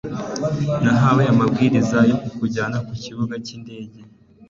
nahawe amabwiriza yo kukujyana ku kibuga cy'indege